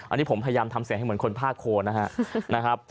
อันนี้ผมพยายามทำเสียงให้เหมือนคนภาคโคนะครับ